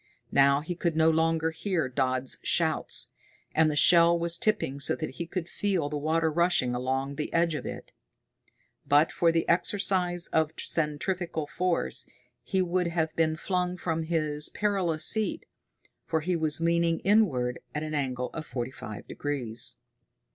Now he could no longer hear Dodd's shouts, and the shell was tipping so that he could feel the water rushing along the edge of it. But for the exercise of centrifugal force he would have been flung from his perilous seat, for he was leaning inward at an angle of forty five degrees.